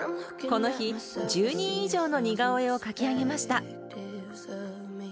この日、１０人以上の似顔絵を描き上げました。